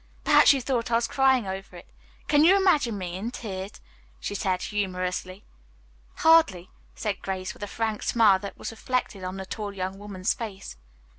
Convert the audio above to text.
Perhaps you thought I was crying over it. Can you imagine me in tears?" she added humorously. "Hardly," said Grace with a frank smile that was reflected on the tall young woman's face.